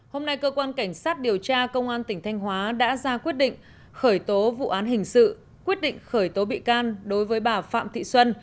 hôm nay cơ quan cảnh sát điều tra công an tỉnh thanh hóa đã ra quyết định khởi tố vụ án hình sự quyết định khởi tố bị can đối với bà phạm thị xuân